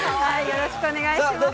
よろしくお願いします。